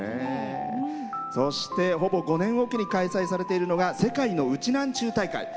そして、ほぼ５年おきに開催されているのが世界のウチナーンチュ大会。